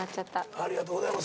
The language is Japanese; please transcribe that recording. ありがとうございます。